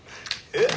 えっ。